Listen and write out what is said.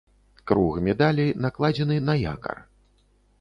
Круг медалі накладзены на якар.